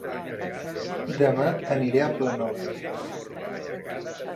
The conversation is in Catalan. Dema aniré a Planoles